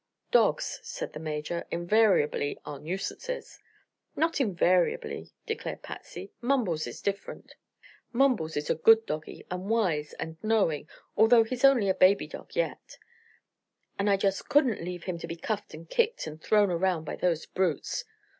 "Dogs," said the Major, "invariably are nuisances." "Not invariably," declared Patsy. "Mumbles is different. Mumbles is a good doggie, and wise and knowing, although he's only a baby dog yet. And I just couldn't leave him to be cuffed and kicked and thrown around by those brutes.